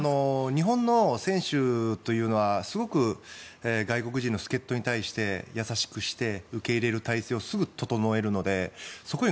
日本の選手というのは外国人の助っ人に対して優しくして受け入れる態勢をすぐ整えるのでそこへ